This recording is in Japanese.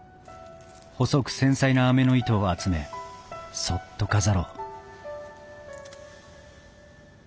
細く繊細なあめの糸を集めそっと飾ろう